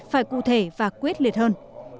phải cụ thể và quyết liệt hơn